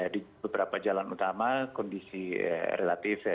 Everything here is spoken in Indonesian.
di beberapa jalan utama kondisi relatif